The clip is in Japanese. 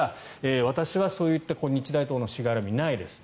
私はそういった日大とのしがらみはないです。